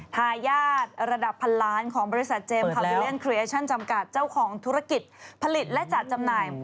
ทายาทระดับพันล้านของบริษัทเจมส์จำกัดเจ้าของธุรกิจผลิตและจัดจำหน่าย